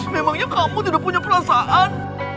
memangnya kamu tidak punya perasaan